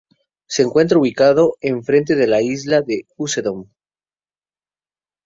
Se encuentra ubicado enfrente de la isla de Usedom.